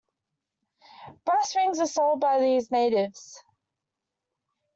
Brass rings are sold by these natives.